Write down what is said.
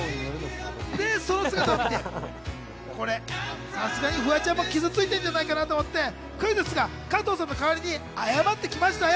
その姿を見て、さすがにフワちゃんも傷ついているんじゃないかなと思ってクイズッスが加藤さんの代わりに謝ってきましたよ。